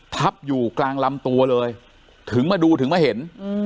ทับอยู่กลางลำตัวเลยถึงมาดูถึงมาเห็น